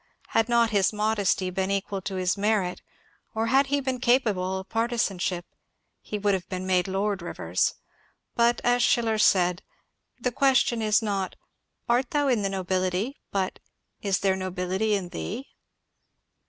Had not his modesty been equal to his merit, or had he been capable of partizanship, he would have been made Lord Rivers. But, as Schiller said, " The question is not, art thou in the nobility, but, is there nobility in thee